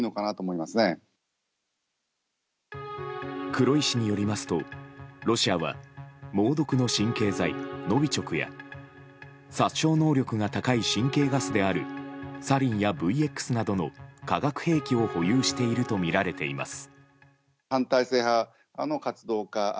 黒井氏によりますとロシアは猛毒の神経剤ノビチョクや殺傷能力が高い神経ガスであるサリンやＶＸなどの化学兵器を保有しているとみられています。